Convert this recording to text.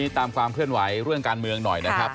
ตามความเคลื่อนไหวเรื่องการเมืองหน่อยนะครับ